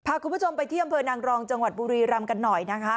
คุณผู้ชมไปที่อำเภอนางรองจังหวัดบุรีรำกันหน่อยนะคะ